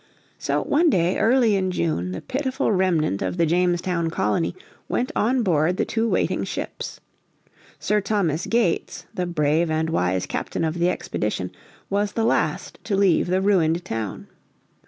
So one day early in June the pitiful remnant of the Jamestown Colony went on board the two waiting ships. Sir Thomas Gates, the brave and wise captain of the expedition, was the last to leave the ruined town.